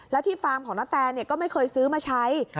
แล้วที่ฟาร์มของนาแตก็ไม่เคยซื้อมาใช้